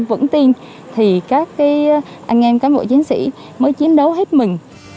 vững tin thì các anh em cán bộ chiến sĩ mới chiến đấu hết mình